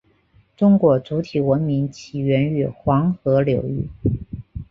中国主体文明起源于黄河流域。